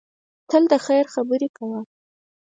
تل د خیر خبرې کوه.